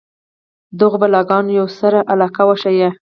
دغو بلاکونو یوه سره علاقه وښيي.